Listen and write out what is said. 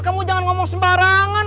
kamu jangan ngomong sembarangan